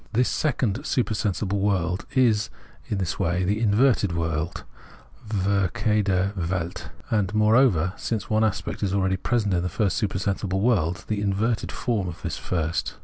This second supersensible world is in this way the inverted world {verkehrte Welt), and, moreover, since one aspect is abeady present in the first supersensible world, the inverted form of this first.